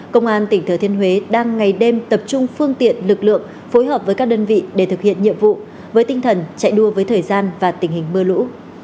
công an tỉnh thừa thiên huế đang ngày đêm tập trung phương tiện lực lượng phối hợp với các đơn vị để thực hiện nhiệm vụ với tinh thần chạy đua với thời gian và tình hình mưa lũ